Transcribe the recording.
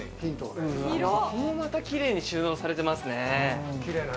これもまたキレイに収納されてますね。